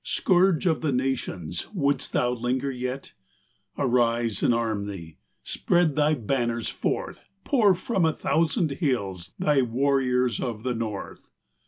Scourge of the nations, wouldest thou linger yet ? Arise and arm thee ! spread thy banners forth. Pour from a thousand hills thy warriors of the north